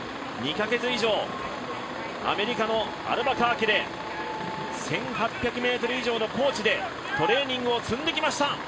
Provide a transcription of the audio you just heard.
２カ月以上アメリカのアルバカーキで１８００ｍ以上の高地でトレーニングを積んできました。